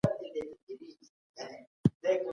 ځواني د سرښندنې او مېړاني شېبه ده.